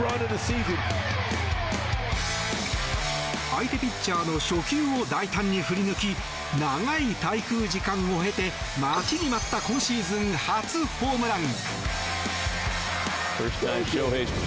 相手ピッチャーの初球を大胆に振り抜き長い滞空時間を経て待ちに待った今シーズン初ホームラン。